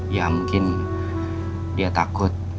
ya mungkin dia takut